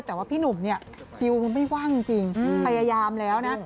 แต่ว่าพี่หนุ่มเนี่ยคิวมันไม่ว่างจริงพยายามแล้วนะ